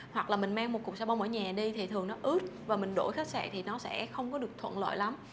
hoặc là mình mang một cục sà bông ở nhà đi thì thường nó ướt và mình đổi khách sạn thì nó sẽ không có được thuận lợi lắm